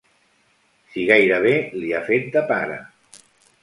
Si gairebé li ha fet de pare.